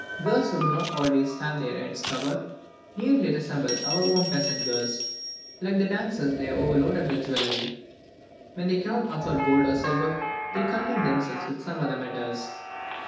Girls who do not always have the head covered, nearly resemble our own peasant girls. Like the dancers, they are overloaded with jewellery; when they cannot afford gold and silver, they content themselves with some other metals.